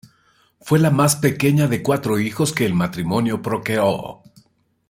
Fue la más pequeña de cuatro hijos que el matrimonio procreó.